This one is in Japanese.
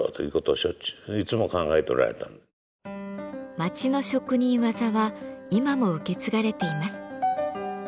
町の職人技は今も受け継がれています。